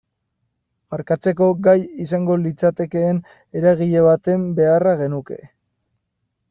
Markatzeko gai izango litzatekeen eragile baten beharra genuke.